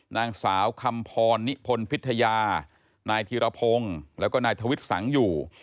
นางสาวคำพอร์นิพลพิธยานายธิระพงศ์แล้วก็นายธวิตสังหยู